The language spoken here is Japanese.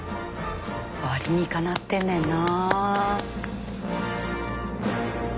あ理にかなってんねんな。